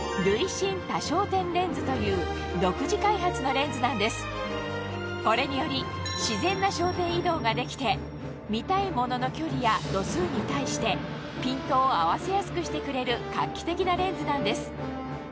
レンズの中心から外側に向かってこれにより自然な焦点移動ができて見たいものの距離や度数に対してピントを合わせやすくしてくれる画期的なレンズなんです